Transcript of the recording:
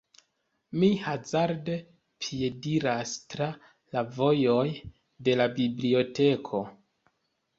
Mi hazarde piediras tra la vojoj de la biblioteko.